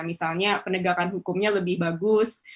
misalnya penegakan hukumnya lebih bagus